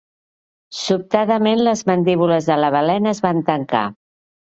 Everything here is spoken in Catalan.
Sobtadament les mandíbules de la balena es van tancar.